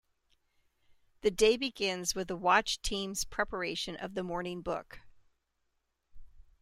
The day begins with the Watch Team's preparation of the Morning Book.